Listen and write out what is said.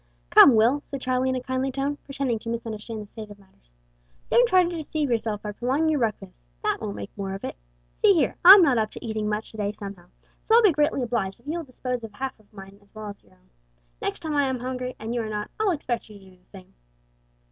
"Come, Will," said Charlie in a kindly tone, pretending to misunderstand the state of matters, "don't try to deceive yourself by prolonging your breakfast. That won't make more of it. See, here, I'm not up to eating much to day, somehow, so I'll be greatly obliged if you will dispose of half of mine as well as your own. Next time I am hungry, and you are not, I'll expect you to do the same."